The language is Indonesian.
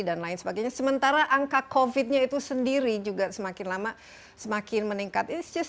dan lain sebagainya sementara angka covid sembilan belas itu sendiri juga semakin lama semakin meningkat